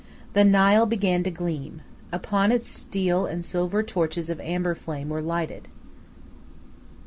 The Nile began to gleam. Upon its steel and silver torches of amber flame were lighted.